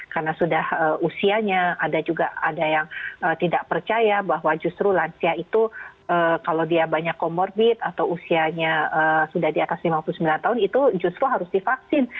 karena sudah usianya ada juga ada yang tidak percaya bahwa justru lansia itu kalau dia banyak komorbit atau usianya sudah di atas lima puluh sembilan tahun itu justru harus divaksin